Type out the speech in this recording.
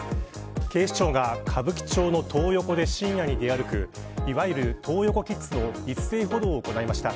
警視庁が歌舞伎町のトー横で深夜に出歩くいわゆるトー横キッズの一斉補導を行いました。